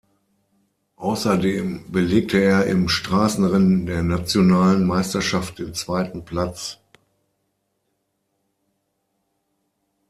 Außerdem belegte er im Straßenrennen der nationalen Meisterschaft den zweiten Platz.